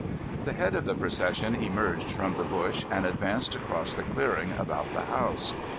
The head of the procession emerged from the bush and advanced across the clearing about the house.